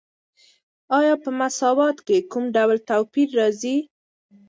آیا په مساوات کې کوم ډول توپیر راځي؟